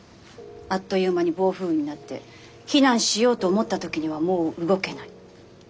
あっという間に暴風雨になって避難しようと思った時にはもう動けない。